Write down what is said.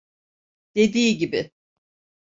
Dediği gibi.